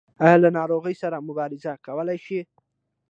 ایا له ناروغۍ سره مبارزه کولی شئ؟